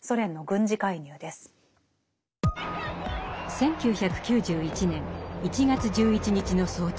１９９１年１月１１日の早朝。